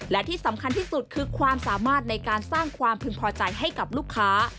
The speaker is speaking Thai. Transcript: และที่สำคัญที่สุดคือความสามารถในการสร้างความพึงพอใจให้กับลูกค้า